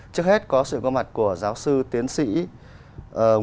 trước hết có sự gương mặt của giáo sư tiến sĩ nguyễn văn hóa